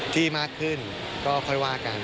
ที่มากขึ้นก็ค่อยว่ากัน